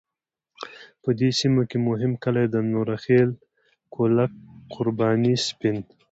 په دې سیمه کې مهم کلی د نوره خیل، کولک، قرباني، سپین .